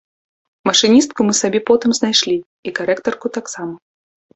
Машыністку мы сабе потым знайшлі і карэктарку таксама.